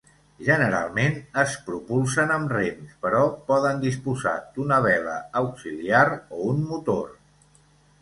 Generalment es propulsen amb rems, però poden disposar d’una vela auxiliar o un motor.